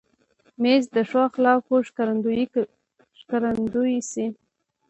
مېز د ښو اخلاقو ښکارندوی شي.